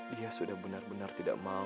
dia sudah benar benar tidak mau